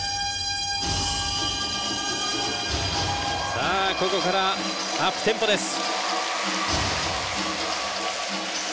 さあここからアップテンポです。